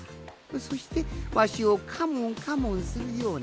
そしてわしをカモンカモンするようなきょく。